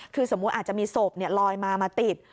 คือสมมุติอาจจะมีศพลอยมามาติด